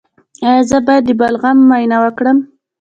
ایا زه باید د بلغم معاینه وکړم؟